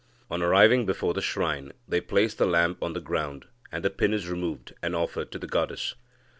On arriving before the shrine, they place the lamp on the ground, and the pin is removed, and offered to the goddess."